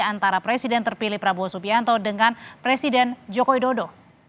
antara presiden terpilih prabowo supianto dengan presiden jokowi dodo